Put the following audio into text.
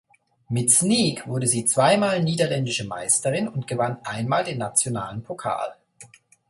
Mit Sneek wurde sie zweimal niederländische Meisterin und gewann einmal den nationalen Pokal.